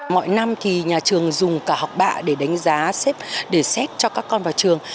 mọi năm thì nhà trường dùng cả học bạ để đánh giá để xét cho các con vào trường